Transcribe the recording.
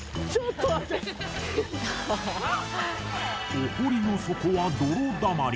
お堀の底はドロだまり。